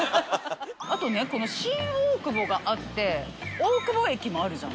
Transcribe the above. あとねこの新大久保があって大久保駅もあるじゃない。